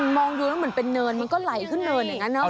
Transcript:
มองดูแล้วเหมือนเป็นเนินมันก็ไหลขึ้นเนินอย่างนั้นเนาะ